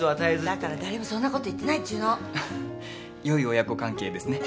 だから誰もそんなこと言ってないっちゅうの。よい親子関係ですね。